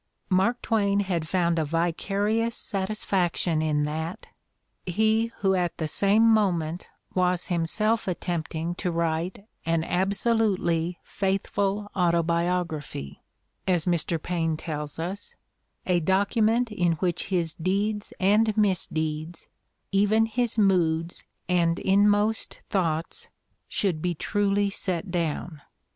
Mark Twain had found a vicarious satisfaction in that, he who at the same mo ment was himself attempting to write "an absolutely faithful autobiography," as Mr. Paine tells us, "a docu ment in which his deeds and misdeeds, even his moods and inmost thoughts, should be truly set down."